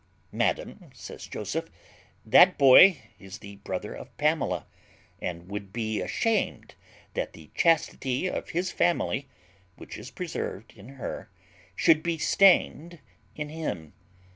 "Madam," says Joseph, "that boy is the brother of Pamela, and would be ashamed that the chastity of his family, which is preserved in her, should be stained in him.